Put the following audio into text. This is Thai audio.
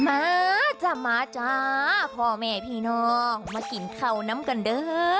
มาจ้ะมาจ้าพ่อแม่พี่น้องมากินข้าวน้ำกันเด้อ